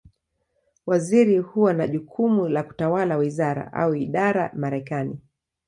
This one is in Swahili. Waziri huwa na jukumu la kutawala wizara, au idara Marekani.